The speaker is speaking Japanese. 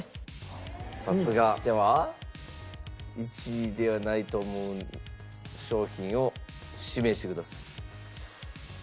さすが！では１位ではないと思う商品を指名してください。